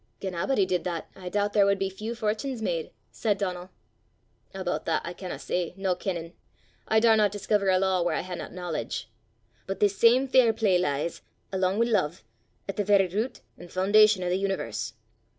"Gien a'body did that, I doobt there wad be feow fortins made!" said Donal. "Aboot that I canna say, no kennin'; I daurna discover a law whaur I haena knowledge! But this same fairplay lies, alang wi' love, at the varra rute and f'undation o' the universe.